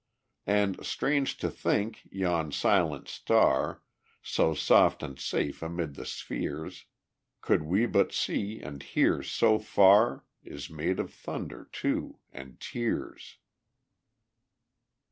And, strange to think, yon silent star, So soft and safe amid the spheres Could we but see and hear so far Is made of thunder, too, and tears.